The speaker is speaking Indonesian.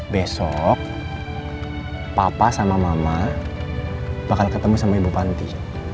besok papa sama mama bakal ketemu sama ibu panti